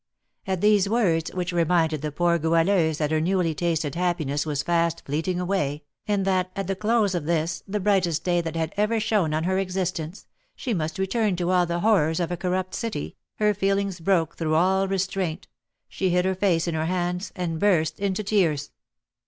At these words, which reminded the poor Goualeuse that her newly tasted happiness was fast fleeting away, and that, at the close of this, the brightest day that had ever shone on her existence, she must return to all the horrors of a corrupt city, her feelings broke through all restraint, she hid her face in her hands and burst into tears.